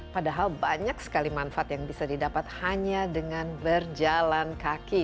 padahal banyak sekali manfaat yang bisa didapat hanya dengan berjalan kaki